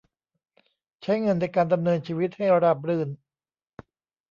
ใช้เงินในการดำเนินชีวิตให้ราบรื่น